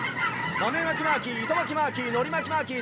まめまきマーキーいとまきマーキーのりまきマーキー